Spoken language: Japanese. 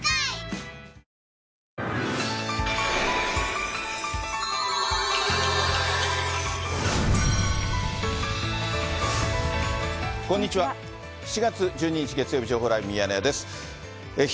７月１２日月曜日、情報ライブミヤネ屋です。